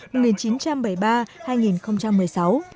cảm ơn các bạn đã theo dõi và hẹn gặp lại